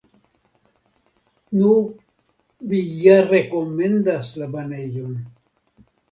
Nu, vi ja rekomendas la banejon.